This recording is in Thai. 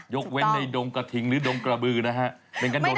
เว้นในดงกระทิงหรือดงกระบือนะฮะ